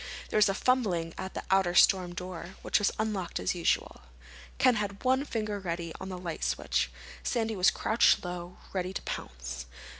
There was a fumbling at the outer storm door, which was unlocked as usual. Ken had one finger ready on the light switch. Sandy was crouched low, ready to pounce.